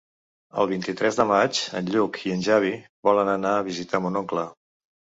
El vint-i-tres de maig en Lluc i en Xavi volen anar a visitar mon oncle.